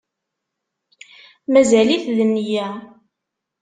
Mazal-it d-nniya